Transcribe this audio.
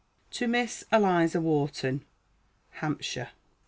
TO MISS ELIZA WHARTON. HAMPSHIRE.